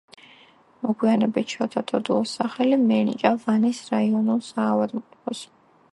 მოგვიანებით შოთა თოდუას სახელი მიენიჭა ვანის რაიონულ საავადმყოფოს.